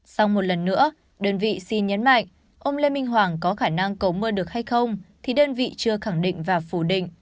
sau một lần nữa đơn vị xin nhấn mạnh ông lê minh hoàng có khả năng cầu mưa được hay không thì đơn vị chưa khẳng định và phủ định